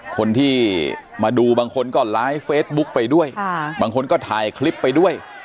คนที่มาดูบางคนก็ไลฟ์เฟซบุ๊คไปด้วยบางคนก็ถ่ายคลิปไปด้วย